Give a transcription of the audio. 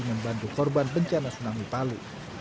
membantu korban bencana tsunami palu